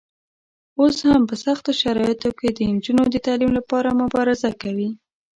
اوس هم په سختو شرایطو کې د نجونو د تعلیم لپاره مبارزه کوي.